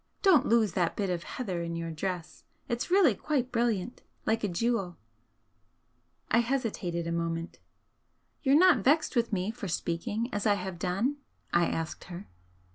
Don't lose that bit of heather in your dress, it's really quite brilliant like a jewel." I hesitated a moment. "You're not vexed with me for speaking as I have done?" I asked her.